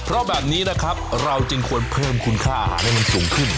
เพราะแบบนี้นะครับเราจึงควรเพิ่มคุณค่าอาหารให้มันสูงขึ้น